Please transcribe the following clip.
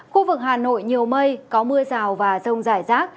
khu vực hà nội nhiều mây có mưa rào và rông rải rác